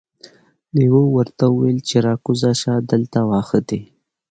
لیوه ورته وویل چې راکوزه شه دلته واښه دي.